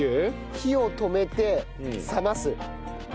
火を止めて冷ます。